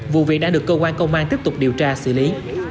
vụ việc đã được cơ quan công an tiếp tục điều tra xử lý